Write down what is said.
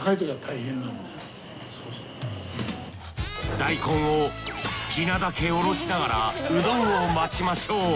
大根を好きなだけおろしながらうどんを待ちましょう。